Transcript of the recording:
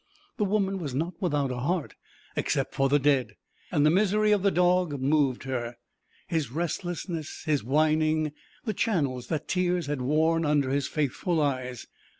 The woman was not without a heart, except for the dead, and the misery of the dog moved her his restlessness, his whining, the channels that tears had worn under his faithful eyes.